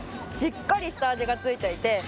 しっかり下味がついていて。